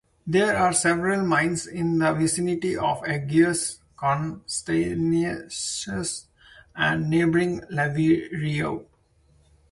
There are several mines in the vicinity of Agios Konstantinos and neighboring Lavrio.